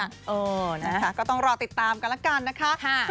เออนะคะก็ต้องรอติดตามกันแล้วกันนะคะ